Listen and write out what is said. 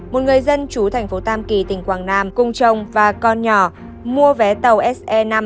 một người dân chú thành phố tam kỳ tỉnh quảng nam cùng chồng và con nhỏ mua vé tàu se năm